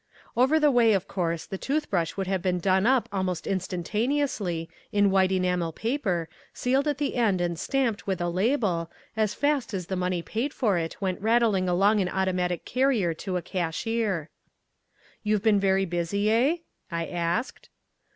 Over the way of course the tooth brush would have been done up almost instantaneously, in white enamel paper, sealed at the end and stamped with a label, as fast as the money paid for it went rattling along an automatic carrier to a cashier. "You've been very busy, eh?" I asked.